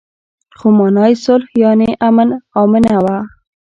خو مانا يې صلح يانې امن آمنه وه.